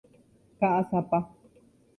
Ka'asapa.